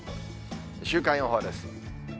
週間予報です。